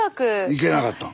いけなかったん？